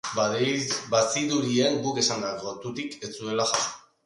Bazirudien guk esandako tutik ez zuela jasotzen.